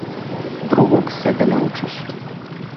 другог себе не учиш